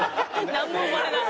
なんも生まれない。